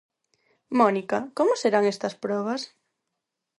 Mónica, como serán estas probas?